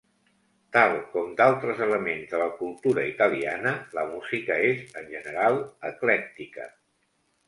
Tal com d'altres elements de la cultura italiana, la música és en general eclèctica.